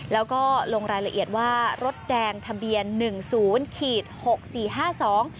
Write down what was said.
แล้วก็ลงรายละเอียดว่ารถแดงทะเบียนหนึ่งศูนย์ขีดหกสี่ห้าสอง